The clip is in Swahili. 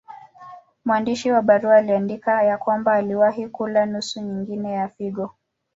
Mwandishi wa barua aliandika ya kwamba aliwahi kula nusu nyingine ya figo.